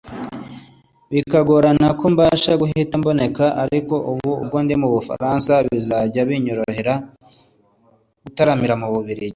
bikagorana ko mbasha guhita mboneka ariko ubu ubwo ndi mu Bufaransa bizajya binyorohera gutaramira mu Bubiligi